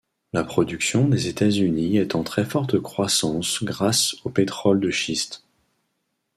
La production des États-Unis est en très forte croissance grâce au pétrole de schiste.